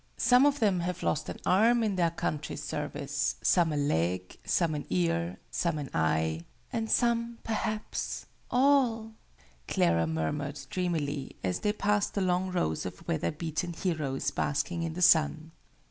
"Some of them have lost an arm in their country's service, some a leg, some an ear, some an eye " "And some, perhaps, all!" Clara murmured dreamily, as they passed the long rows of weather beaten heroes basking in the sun.